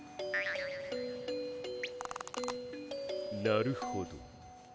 なるほど。